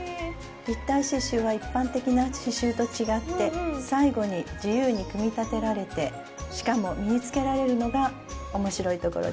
立体刺しゅうは一般的な刺しゅうと違って最後に自由に組み立てられてしかも身につけられるのがおもしろいところです。